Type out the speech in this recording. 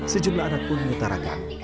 sejumlah anak pun menyetarakan